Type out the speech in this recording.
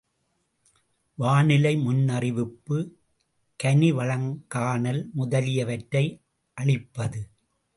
வானிலை முன்னறிவிப்பு, கனிவளங்காணல் முதலியவற்றை அளிப்பது.